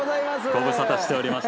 ご無沙汰しておりました。